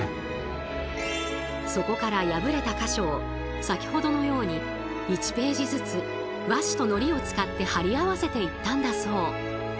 そこから破れた箇所を先ほどのように１ページずつ和紙とのりを使って貼り合わせていったんだそう。